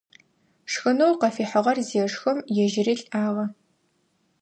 Шхынэу къыфихьыгъэр зешхым, ежьыри лӀагъэ.